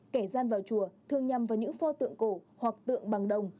kẻ gian vào chùa thường nhằm vào những pho tượng cổ hoặc tượng bằng đồng